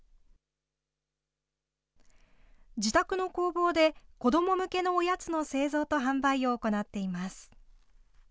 自宅の工房で、子ども向けのおやつの製造と販売を行っています。